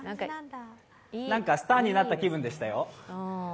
なんか、スターになった気分でしたよ。